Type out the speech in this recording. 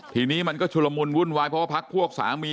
ทีนี้มันก็ชุลมุนวุ่นวายเพราะว่าพักพวกสามี